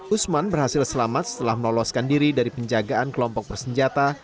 usman berhasil selamat setelah meloloskan diri dari penjagaan kelompok bersenjata